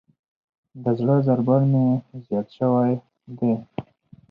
د زړه ضربان مې زیات شوئ دی.